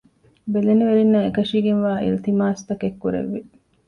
ބެލެނިވެރިންނަށް އެކަށީގެންވާ އިލްތިމާސްތަކެއް ކުރެއްވި